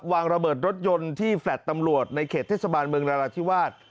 วางระเบิดรถยนต์ที่แฟลต์ตำรวจในเขตเทศบาลเมืองนาราธิวาส